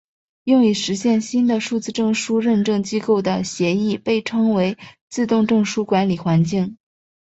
用以实现新的数字证书认证机构的协议被称为自动证书管理环境。